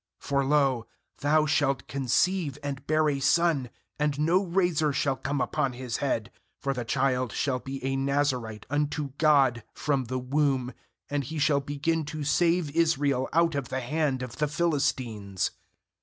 5For, lo, thou shalt conceive, and bear a son; and no razor shall come upon his head; for the child shall be a Nazirite unto God from the womb; and he shall begin to save Israel out of the hand of the Philistines.'